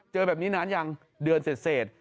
เจอแบบนี้นานยังเดือนเสร็จ